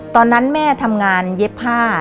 ตอนนั้นแม่ทำงานเย็บผ้า